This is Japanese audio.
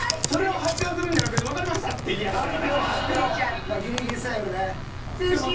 それを発表するんじゃなくてわかりましたって言いたくなる。